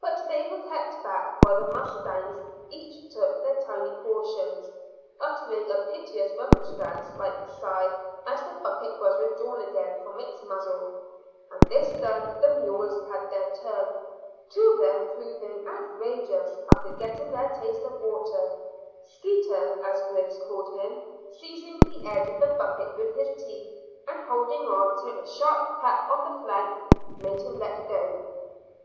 But they were kept back while the mustangs each took their tiny portions, uttering a piteous remonstrance like sigh as the bucket was withdrawn again from its muzzle; and this done, the mules had their turn, two of them proving outrageous after getting their taste of water, Skeeter, as Griggs called him, seizing the edge of the bucket with his teeth and holding on till a sharp crack on the flank made him let go.